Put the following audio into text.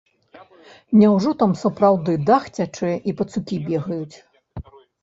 Няўжо там сапраўды дах цячэ і пацукі бегаюць?